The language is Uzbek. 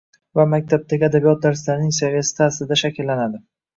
va maktabdagi adabiyot darslarining saviyasi ta’sirida shakllanadi.